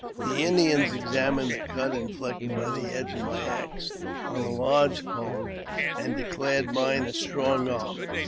The Indians examined the cut inflicted by the edge of my axe on the lodge pole, and declared mine a strong arm.